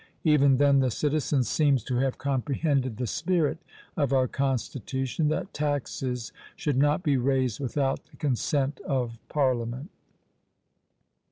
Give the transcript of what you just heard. Even then the citizen seems to have comprehended the spirit of our constitution that taxes should not be raised without the consent of parliament!